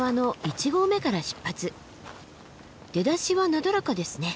出だしはなだらかですね。